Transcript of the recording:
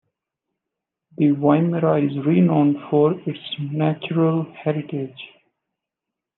The Wimmera is renowned for its natural heritage.